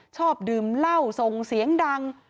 ชอบดื่มเหล้าส่งเสียงดัง